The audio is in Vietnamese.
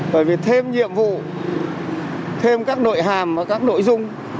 bởi vì thêm nhiệm vụ thêm các nội hàm và các nội dung